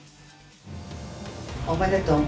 おめでとう。